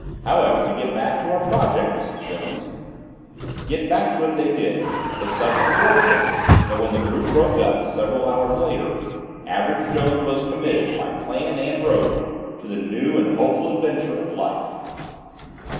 However, to get back to our project, Mr. Jones—" Get back to it they did with such absorption that when the group broke up, several hours later, Average Jones was committed, by plan and rote, to the new and hopeful adventure of Life.